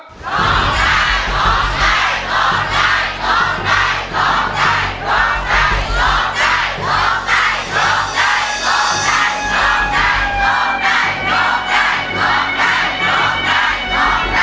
โฆ่งใจโฆ่งใจโฆ่งใจ